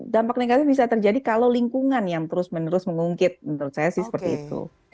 dampak negatif bisa terjadi kalau lingkungan yang terus menerus mengungkit menurut saya sih seperti itu